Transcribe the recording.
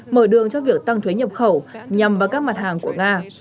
mở đường cho việc tăng thuế nhập khẩu nhằm vào các mặt hàng của nga